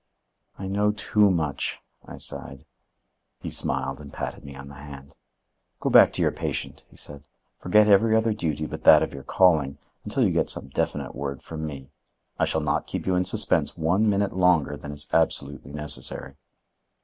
"I know too much," I sighed. He smiled and patted me on the hand. "Go back to your patient," he said. "Forget every other duty but that of your calling until you get some definite word from me. I shall not keep you in suspense one minute longer than is absolutely necessary."